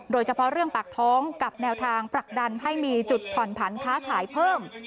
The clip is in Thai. โดยเฉพาะเรื่องปากท้องกับแนวทางผลักดันให้มีจุดผ่อนผันค้าขายเพิ่ม